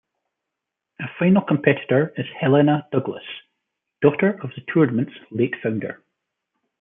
A final competitor is Helena Douglas, daughter of the tournament's late founder.